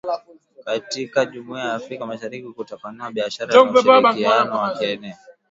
katika jumuia ya Afrika mashariki kutapanua biashara na ushirikiano wa kieneo